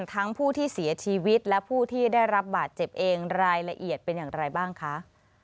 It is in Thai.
ทั้งผู้ที่เสียชีวิตและผู้ที่ได้รับบาดเจ็บเองรายละเอียดเป็นอย่างไรบ้างคะ